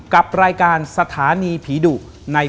ขอบคุณครับ